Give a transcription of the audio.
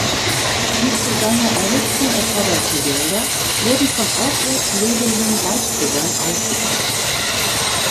Die zu seiner Errichtung erforderlichen Gelder wurden von auswärts lebenden Leipzigern aufgebracht.